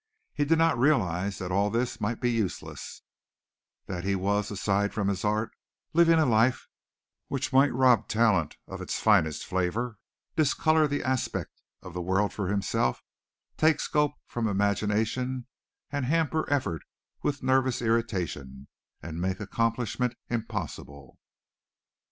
He did not realize that all this might be useless that he was, aside from his art, living a life which might rob talent of its finest flavor, discolor the aspect of the world for himself, take scope from imagination and hamper effort with nervous irritation, and make accomplishment impossible.